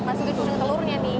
masukin puning telurnya nih